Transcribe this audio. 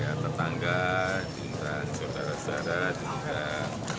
ya tetangga diundang saudara saudara diundang